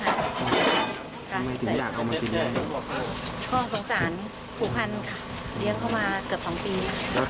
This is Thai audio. ทำไมถึงอยากเอามาเลี้ยง